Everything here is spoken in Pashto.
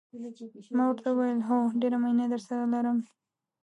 ما ورته وویل: هو، ډېره مینه درسره لرم.